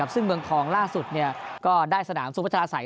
ซึ่งเมืองทองล่าสุดก็ได้สนามสุพัชราศัย